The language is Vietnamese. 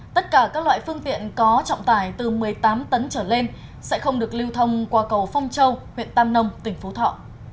tất cả các loại phương tiện có trọng tải từ một mươi tám tấn trở lên sẽ không được lưu thông qua cầu phong châu huyện tam nông tỉnh phú thọ